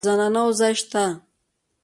د زنانه وو ځای شته.